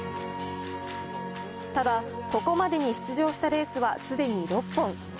ただ、ここまでに出場したレースはすでに６本。